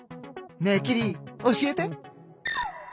ねえキリ教えて。